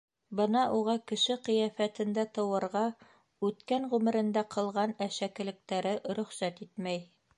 Бына уға кеше ҡиәфәтендә тыуырға үткән ғүмерендә ҡылған әшәкелектәре рөхсәт итмәй.